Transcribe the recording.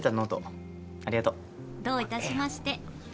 どういたしまして。